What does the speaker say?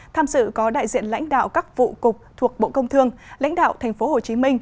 tham sự có đại diện lãnh đạo các vụ cục thuộc bộ công thương lãnh đạo tp hcm